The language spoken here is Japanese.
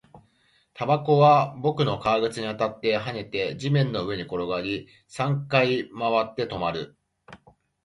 タバコは僕の革靴に当たって、跳ねて、地面の上に転がり、三回回って、止まる